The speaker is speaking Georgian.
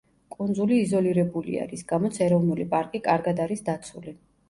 კუნძული იზოლირებულია, რის გამოც ეროვნული პარკი კარგად არის დაცული.